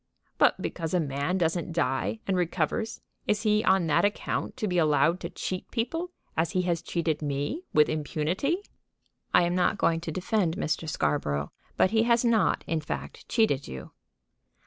"But because a man doesn't die and recovers, is he on that account to be allowed to cheat people, as he has cheated me, with impunity?" "I am not going to defend Mr. Scarborough; but he has not, in fact, cheated you."